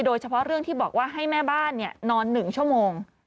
โดยเฉพาะเรื่องที่บอกว่าให้แม่บ้านนอน๑ชั่วโมง